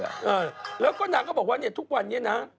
เออแล้วก็นางก็บอกว่าเนี่ยทุกวันนี้นะ